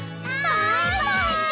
バイバイち！